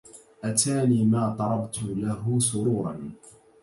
أتاني ما طربت له سرورا